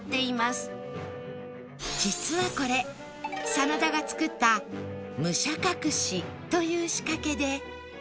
実はこれ真田が作った武者隠しという仕掛けで